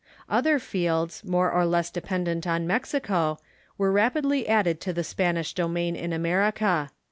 Other fields, more or less dependent on Mexico, were rap idly added to the Spanish domain in America.